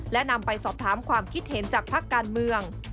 และนำไปสอบถามความคิดเห็นจากภาคการเมือง